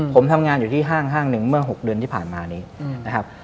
ผมทำงานอยู่ที่ห้างหนึ่งเมื่อ๖เดือนที่ผ่านมานี้นะครับ